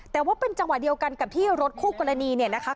แต่ว่าเป็นจังหวะเดียวกันกับที่รถคู่กรณีเนี่ยนะคะ